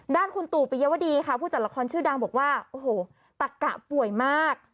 ด้านคุณตู่ปิยวดีค่ะผู้จัดละครชื่อดังบอกว่าโอ้โหตะกะป่วยมาก